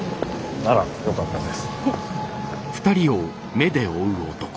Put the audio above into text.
ならよかったです。